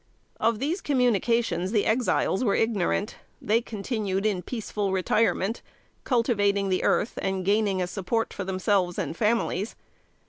Of these communications the Exiles were ignorant. They continued in peaceful retirement, cultivating the earth, and gaining a support for themselves and families.